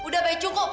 jadi itu lagi